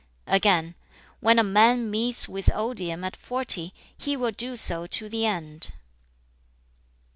Again, "When a man meets with odium at forty, he will do so to the end."